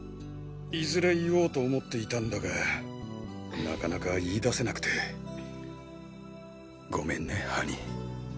いずれ言おうと思っていたんだがなかなか言いだせなくてごめんねハニー。